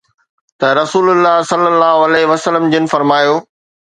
ته رسول الله صلي الله عليه وسلم جن فرمايو